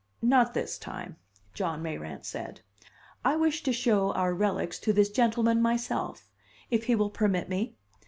"Not this time," John Mayrant said. "I wish to show our relics to this gentleman myself if he will permit me?"